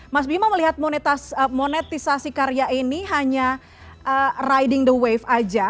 mas bima melihat monetisasi karya ini hanya riding the wave saja